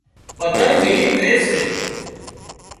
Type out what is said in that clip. ٻڌانئين ملين ري سي